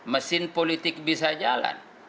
mesin politik bisa jalan